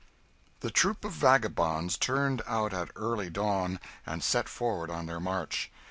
The troop of vagabonds turned out at early dawn, and set forward on their march.